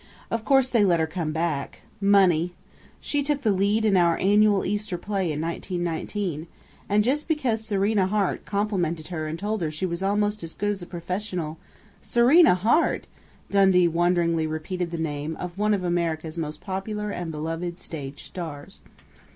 Of course they let her come back!... Money!... She took the lead in our annual Easter play in 1919, and just because Serena Hart complimented her and told her she was almost as good as a professional " "Serena Hart!" Dundee wonderingly repeated the name of one of America's most popular and beloved stage stars.